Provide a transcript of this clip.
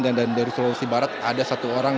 dan dari sulawesi barat ada satu orang